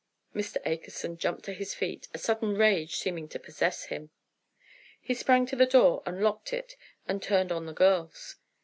Mr. Akerson jumped to his feet, a sudden rage seeming to possess him. He sprang to the door and locked it and turned on the girls.